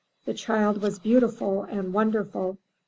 The child was beautiful and wonderful.